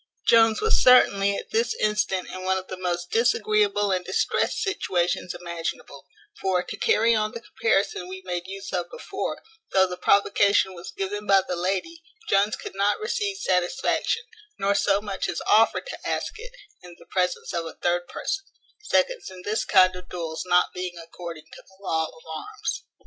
Jones was certainly at this instant in one of the most disagreeable and distressed situations imaginable; for, to carry on the comparison we made use of before, though the provocation was given by the lady, Jones could not receive satisfaction, nor so much as offer to ask it, in the presence of a third person; seconds in this kind of duels not being according to the law of arms.